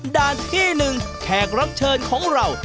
ด้านที่๑แขกรับเชิญของเรา